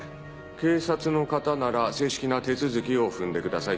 警察の方なら正式な手続きを踏んでください。